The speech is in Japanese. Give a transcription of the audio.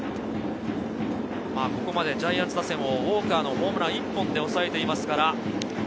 ここまでジャイアンツ打線をウォーカーのホームラン１本で抑えていますから。